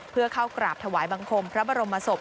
เพื่อเข้ากราบถวายบังคมพระบรมศพ